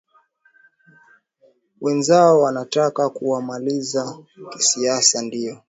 wenzao wanataka kuwamaliza kisiasa ndio